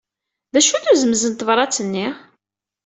D acu-t uzemz n tebṛat-nni?